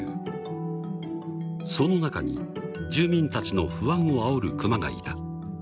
［その中に住民たちの不安をあおるクマがいた］